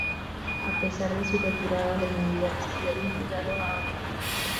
A pesar de su retirada del mundial siguió vinculado a Audi.